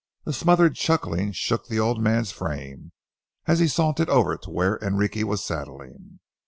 A smothered chuckling shook the old man's frame, as he sauntered over to where Enrique was saddling.